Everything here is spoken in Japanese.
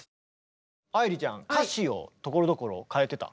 愛理ちゃん歌詞をところどころ変えてた？